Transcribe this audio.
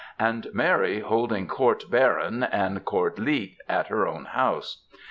and Mary holding "coiurt baron ^' and ^' court leet^^ at her own house.